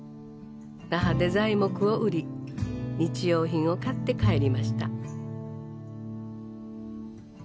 那覇で材木を売り日用品を買って帰りました。